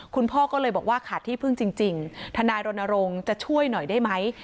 คุณพ่อก็เลยบอกว่าขาดที่พึ่งจริงทนายรณรงค์จะช่วยหน่อยได้ไหม